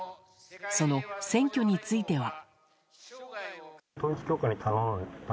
その選挙については。